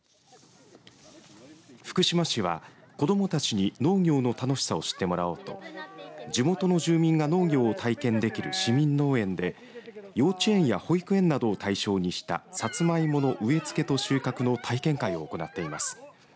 福島市は子どもたちに農業の楽しさを知ってもらおうと地元の住民が農業を体験できる市民農園で幼稚園や保育園などを対象にしたさつまいもの植え付けと収穫の体験会を行っています。